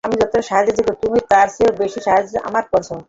আমি যতটা সাহায্যের যোগ্য, তুমি তার চেয়েও বেশী সাহায্য আমায় করেছ।